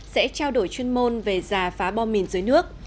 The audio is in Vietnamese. sẽ trao đổi chuyên môn về giả phá bom mìn dưới nước